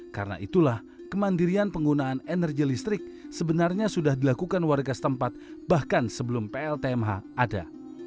karena itulah kemandirian penggunaan energi listrik sebenarnya sudah dilakukan warga setempat bahkan sebelum pltmh ada